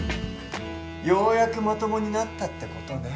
ようやくまともになったってことね